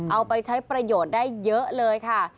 เอาไปใช้ประโยชน์ได้เยอะเลยค่ะ